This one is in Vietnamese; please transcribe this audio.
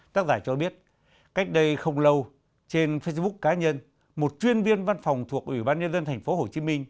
tác giả cho biết cách đây không lâu trên facebook cá nhân một chuyên viên văn phòng thuộc ủy ban nhân dân tp hcm